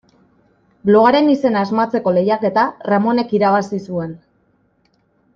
Blogaren izena asmatzeko lehiaketa Ramonek irabazi zuen.